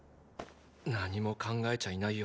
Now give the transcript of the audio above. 何も考えちゃいないよ